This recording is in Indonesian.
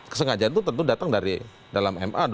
kesengajaan itu tentu datang dari dalam ma